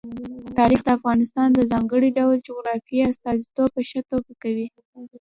تاریخ د افغانستان د ځانګړي ډول جغرافیې استازیتوب په ښه توګه کوي.